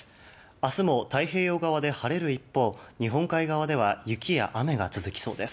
明日も太平洋側で晴れる一方日本海側では雪や雨が続きそうです。